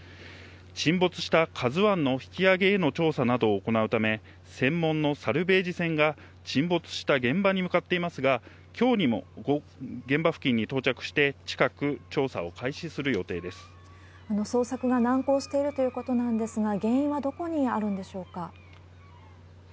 沈没したＫＡＺＵＩの引き揚げへの調査などを行うため、専門のサルヴェージ船が沈没した現場に向かっていますが、きょうにも現場付近に到着して、捜索が難航しているということなんですが、原因はどこにあるんでしょうか。